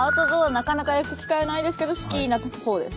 なかなか行く機会ないですけど好きな方です。